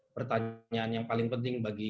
pertanyaan yang paling penting bagi